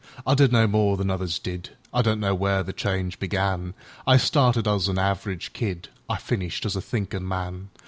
I did no more than others did,I don't know where the change began;I started as a average kid,I finished as a thinkin' man.